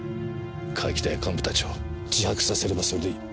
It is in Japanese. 川北や幹部たちを自白させればそれでいい。